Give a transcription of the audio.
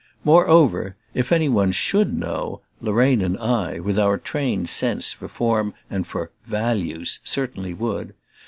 Moreover, if any one SHOULD know, Lorraine and I, with our trained sense for form and for "values," certainly would.